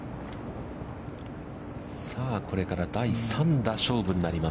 さあ、これから第３打、勝負になります。